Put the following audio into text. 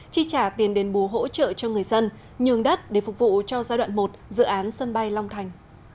chi trả tiền đền bù hỗ trợ cho người dân nhường đất để phục vụ cho giai đoạn một dự án sân bay long thành